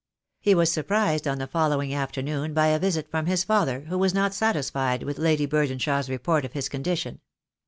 He was surprised on the following afternoon by a visit from his father, who was not satisfied with Lady Burdenshaw's report of his condition.